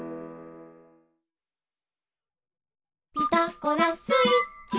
「ピタゴラスイッチ」